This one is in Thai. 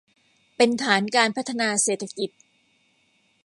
เป็นฐานการพัฒนาเศรษฐกิจ